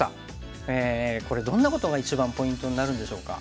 これどんなことが一番ポイントになるんでしょうか？